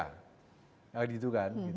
kayak gitu kan